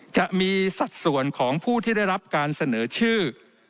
จะมีสัดส่วนของผู้ที่ได้รับการเสนอชื่อ